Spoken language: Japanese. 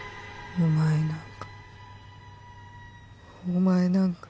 お前なんか。